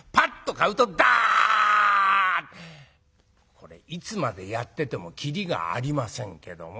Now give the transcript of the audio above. これいつまでやってても切りがありませんけども。